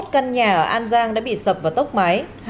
ba mươi một căn nhà ở an giang đã bị sập vào tốc máy